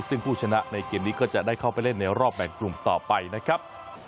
ซึ่งผู้ชนะในเกมนี้ก็จะได้เข้าไปเล่นในรอบแบ่งกลุ่มต่อไปนะครับ